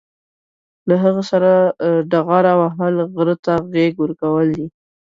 له هغه سره ډغره وهل، غره ته غېږ ورکول دي.